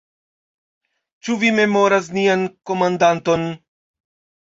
Ĉu vi memoras nian komandanton?